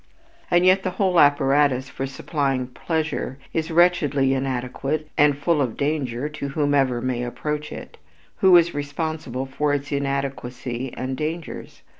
And yet the whole apparatus for supplying pleasure is wretchedly inadequate and full of danger to whomsoever may approach it. Who is responsible for its inadequacy and dangers?